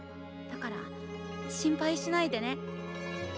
だから心配しないでね。